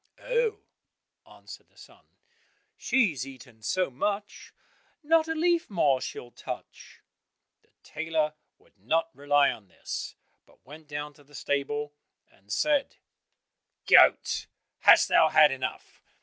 "Oh," answered the son, "she has eaten so much, not a leaf more she'll touch." The tailor would not rely on this, but went down to the stable and said, "Goat, hast thou had enough?"